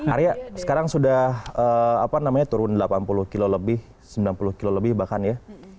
arya sekarang sudah turun delapan puluh kilo lebih sembilan puluh kilo lebih bahkan ya